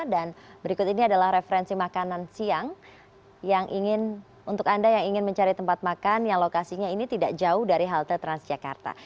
dan berikut ini adalah referensi makanan siang untuk anda yang ingin mencari tempat makan yang lokasinya ini tidak jauh dari halte transjakarta